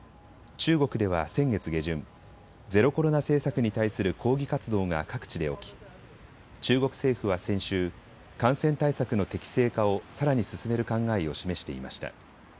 中国では先月下旬、ゼロコロナ政策に対する抗議活動が各地で起き中国政府は先週、感染対策の適正化をさらに進める考えを示していました。